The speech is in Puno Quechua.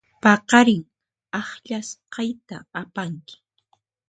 Paqarin akllasqayta apanki.